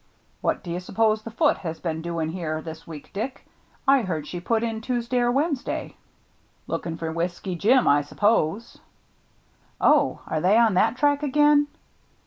" What do you suppose the Foote has been doing here this week, Dick ? I heard she put in Tuesday or Wednesday." " Looking for Whiskey Jim, I suppose." " Oh, are they on that track again